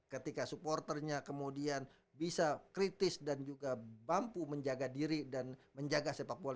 ketika supporternya kemudian bisa kritis dan juga mampu menjaga diri dan menjaga sepak bola